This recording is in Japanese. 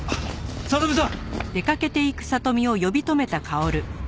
聖美さん！